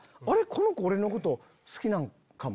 この子俺のこと好きなんかも！